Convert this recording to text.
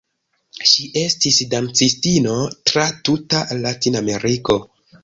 Ŝi estis dancistino tra tuta Latinameriko.